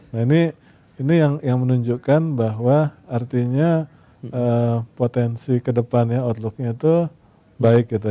nah ini yang menunjukkan bahwa artinya potensi ke depan ya outlooknya itu baik gitu